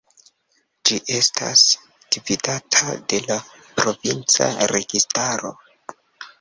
Ĝi estas gvidata de la provinca registaro.